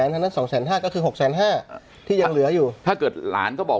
ทั้งนั้น๒๕๐๐ก็คือ๖๕๐๐ที่ยังเหลืออยู่ถ้าเกิดหลานก็บอก